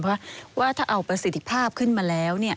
เพราะว่าถ้าเอาประสิทธิภาพขึ้นมาแล้ว